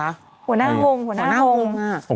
หัวหน้าวงหัวหน้าวง